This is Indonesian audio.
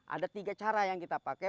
ada tiga cara yang kita pakai